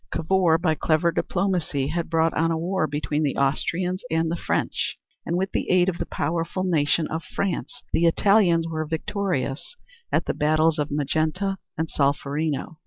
Cavour, by clever diplomacy, had brought on a war between the Austrians and the French and with the aid of the powerful nation of France the Italians were victorious at the battles of Magenta and Solferino.